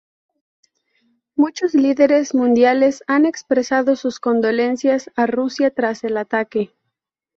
Muchos líderes mundiales han expresado sus condolencias a Rusia tras el ataque.